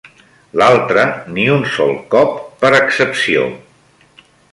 L’altre, ni un sol cop per excepció